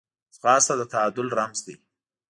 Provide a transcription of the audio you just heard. ځغاسته د تعادل رمز دی